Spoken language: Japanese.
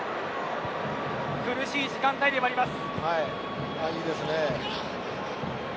苦しい時間帯ではあります。